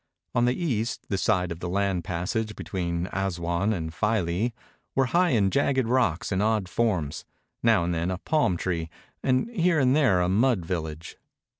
On the east, the side of the land passage between Assouan and Philas, were high" and jagged rocks in odd forms, now and then a palm tree, and here and there a mud village.